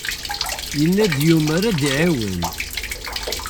Yenna-d yumer ad iɛiwen.